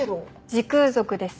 時空賊です。